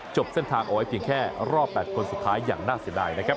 เส้นทางเอาไว้เพียงแค่รอบ๘คนสุดท้ายอย่างน่าเสียดายนะครับ